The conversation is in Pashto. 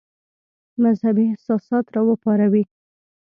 مذهبي احساسات را وپاروي.